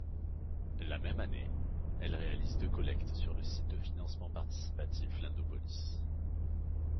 La même année, elle réalise deux collectes sur le site de financement participatif Lendopolis.